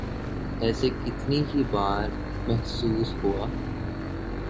اسے کتنی ہی بار محسوس ہوا۔